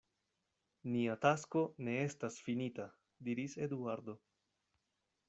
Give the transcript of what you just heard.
Nia tasko ne estas finita, diris Eduardo.